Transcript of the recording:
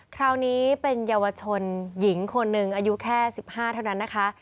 คราวนี้เป็นเยาวชนหญิงคนหนึ่งอายุแค่๑๕เท่านั้นนะคะ